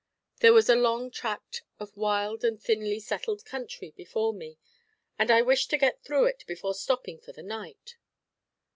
There was a long tract of wild and thinly settled country before me, and I wished to get through it before stopping for the night.